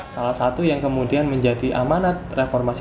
salah satu yang kemudian menjadi amanat reformasi